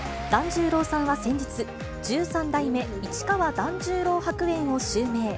團十郎さんは先日、十三代目市川團十郎白猿を襲名。